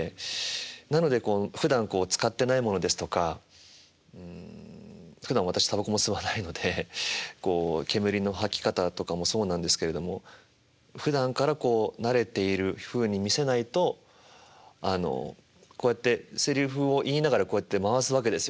なのでふだん使ってないものですとかうんふだん私たばこも吸わないのでこう煙の吐き方とかもそうなんですけれどもふだんからこう慣れているふうに見せないとあのこうやってセリフを言いながらこうやって回すわけですよね。